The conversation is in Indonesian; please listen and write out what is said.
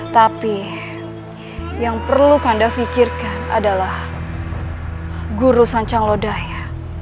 tapi yang perlu kanda fikirkan adalah guru sancaglodaya